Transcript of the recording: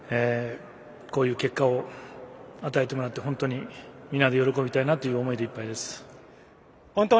こういう結果を与えてもらって本当に皆で喜びたいなという思いでいっぱいです。